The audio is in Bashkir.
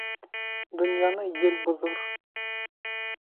Донъяны ел боҙор